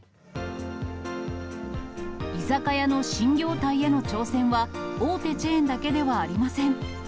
居酒屋の新業態への挑戦は、大手チェーンだけではありません。